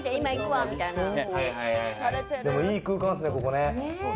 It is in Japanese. いい空間ですね、ここね。